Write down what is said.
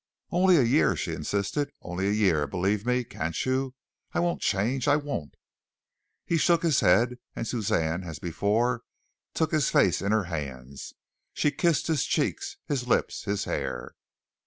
"Only a year," she insisted. "Only a year, believe me, can't you? I won't change, I won't!" He shook his head, and Suzanne as before took his face in her hands. She kissed his cheeks, his lips, his hair.